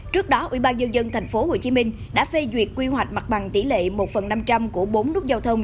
trước đó ủy ban nhân dân tp hcm đã phê duyệt quy hoạch mặt bằng tỷ lệ một phần năm trăm linh của bốn nút giao thông